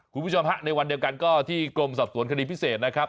คุณผู้ชมฮะในวันเดียวกันก็ที่กรมสอบสวนคดีพิเศษนะครับ